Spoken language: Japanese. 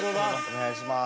お願いします。